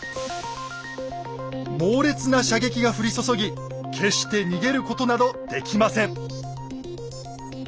猛烈な射撃が降り注ぎ決して逃げることなどできません。